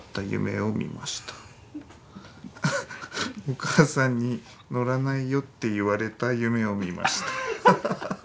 お母さんに乗らないよって言われた夢を見ました」。